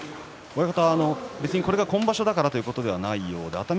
親方、これが今場所だからということではないようで熱海